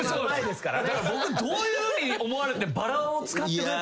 だから僕どういうふうに思われてバラを使ってくれって。